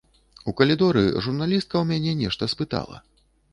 У калідоры журналістка ў мяне нешта спытала.